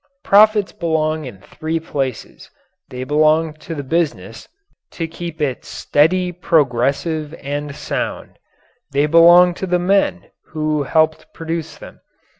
Profits belong in three places: they belong to the business to keep it steady, progressive, and sound. They belong to the men who helped produce them.